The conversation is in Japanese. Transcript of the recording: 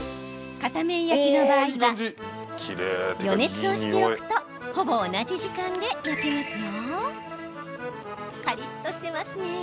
片面焼きの場合は予熱をしておくとほぼ同じ時間で焼けますよ。